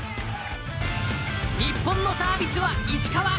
日本のサービスは石川。